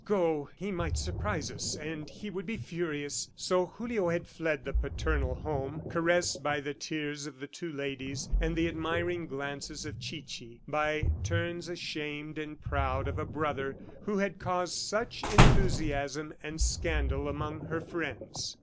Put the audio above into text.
"Go, he might surprise us, and he would be furious." So Julio had fled the paternal home, caressed by the tears of the two ladies and the admiring glances of Chichi, by turns ashamed and proud of a brother who had caused such enthusiasm and scandal among her friends.